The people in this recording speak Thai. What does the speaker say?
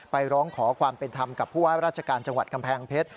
ร้องขอความเป็นธรรมกับผู้ว่าราชการจังหวัดกำแพงเพชร